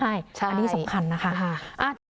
อันนี้สำคัญนะคะ